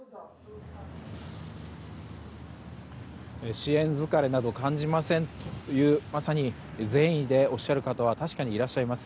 支援疲れなど感じませんとまさに善意でおっしゃる方は確かにいらっしゃいます。